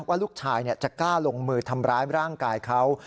ว่าลูกชายจะกล้าลงมือทำร้ายร่างกายเขา